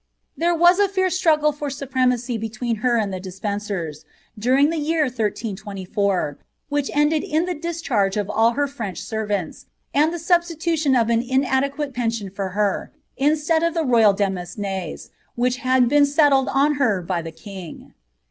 There was a fierce struggle for supremacy between her and the Despencers^ dufiog the year 13;S4, which ended in the discharge of all her French servants, and the substitution of an inadequate pension for herself, in stead of the royal demesnes, which had been settled on her by the king.